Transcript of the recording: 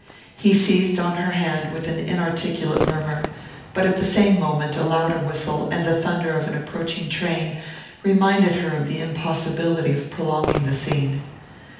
He seized on her hand with an inarticulate murmur; but at the same moment a louder whistle and the thunder of an approaching train reminded her of the impossibility of prolonging the scene.